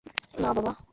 না, বাবা!